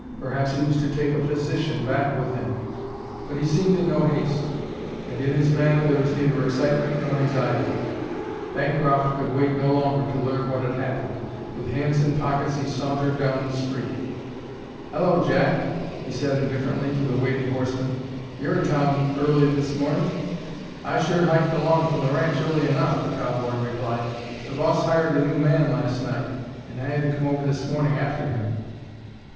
Perhaps he was to take a physician back with him. But he seemed in no haste, and in his manner there was neither excitement nor anxiety. Bancroft could wait no longer to learn what had happened. With hands in pockets he sauntered down the street. "Hello, Jack," he said indifferently to the waiting horseman. "You're in town early this morning." "I sure hiked along from the ranch early enough," the cowboy replied. "The boss hired a new man last night; and I had to come over this morning after him."